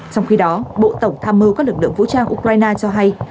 trong khi đó bộ tổng tham mưu các lực lượng vũ trang ukraine cho hay